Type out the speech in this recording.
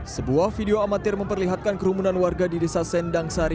sebuah video amatir memperlihatkan kerumunan warga di desa sendang sari